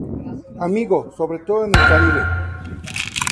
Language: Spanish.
Amigo, sobre todo en el Caribe.